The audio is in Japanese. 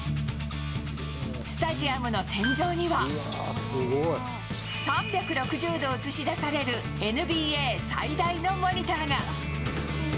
スタジアムの天井には、３６０度映し出される、ＮＢＡ最大のモニターが。